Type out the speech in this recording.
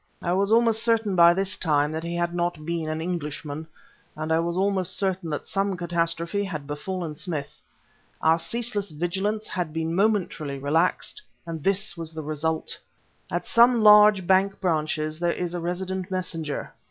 I was almost certain, by this time, that he had not been an Englishman; I was almost certain that some catastrophe had befallen Smith. Our ceaseless vigilance had been momentarily relaxed and this was the result! At some large bank branches there is a resident messenger.